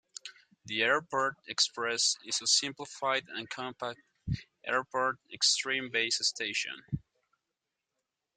The AirPort Express is a simplified and compact AirPort Extreme base station.